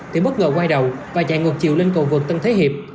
thì bất ngờ quay đầu và chạy ngột chiều lên cầu vực tân thế hiệp